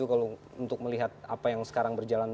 kalau untuk melihat apa yang sekarang berjalan